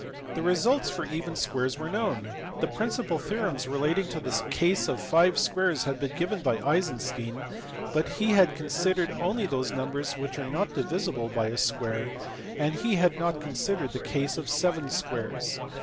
The results for even squares were known. The principal theorems relating to the case of five squares had been given by Eisenstein, but he had considered only those numbers which are not divisible by a square, and he had not considered the case of seven squares.